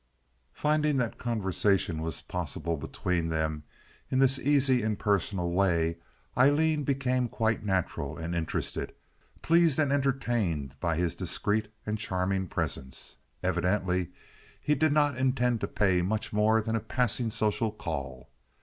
Finding that conversation was possible between them in this easy, impersonal way, Aileen became quite natural and interested, pleased and entertained by his discreet and charming presence. Evidently he did not intend to pay much more than a passing social call.